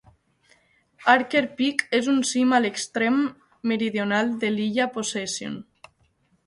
Archer Peak és un cim a l'extrem més meridional de l'illa Possession.